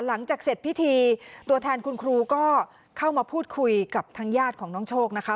หลังจากเสร็จพิธีตัวแทนคุณครูก็เข้ามาพูดคุยกับทางญาติของน้องโชคนะคะ